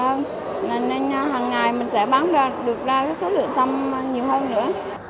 nên hằng ngày mình sẽ bán được ra số lượng sâm nhiều hơn nữa